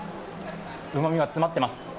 うまみが詰まってます。